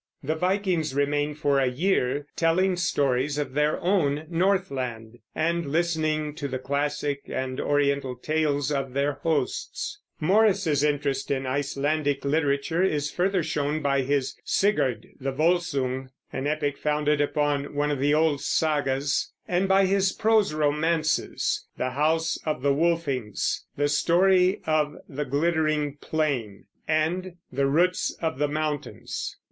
The Vikings remain for a year, telling stories of their own Northland, and listening to the classic and Oriental tales of their hosts. Morris's interest in Icelandic literature is further shown by his Sigurd the Volsung, an epic founded upon one of the old sagas, and by his prose romances, The House of the Wolfings, The Story of the Glittering Plain, and The Roots of the Mountains.